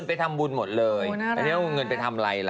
ขอบคุณค่ะพี่